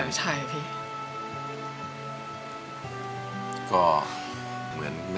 อันดับนี้เป็นแบบนี้